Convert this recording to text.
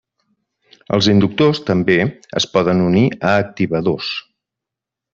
Els inductors també es poden unir a activadors.